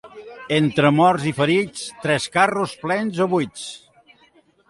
Entre morts i ferits, tres carros plens o buits.